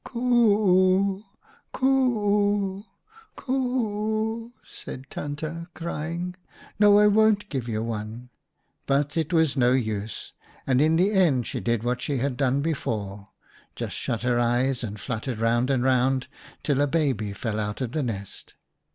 "' Coo 00, coo 00, coo 00/ said Tante, crying, 'no, I won't give you one.' But it was no use, and in the end she did what she had done before — just shut her eyes and fluttered round and round till a baby fell out 122 OUTA KAREL'S STORIES of the nest.